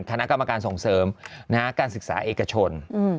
คณะกรรมการส่งเสริมการศึกษาเอกชน